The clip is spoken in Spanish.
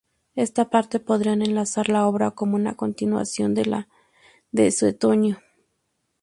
Esta parte podría enlazar la obra como una continuación de la de Suetonio.